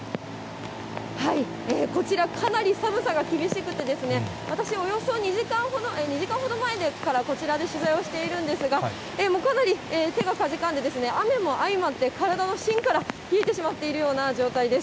こちら、かなり寒さが厳しくてですね、私、およそ２時間ほど前からこちらで取材をしているんですが、もうかなり手がかじかんで、雨も相まって、体のしんから冷えてしまっているような状態です。